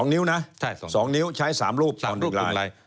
๒นิ้วใช่ไหม๒นิ้วใช้๓รูปต่อ๑ลาย